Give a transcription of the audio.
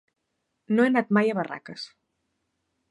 No he anat mai a Barraques.